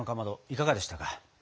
いかがでしたか？